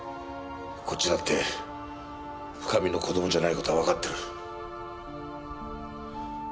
こっちだって深見の子供じゃない事はわかってる。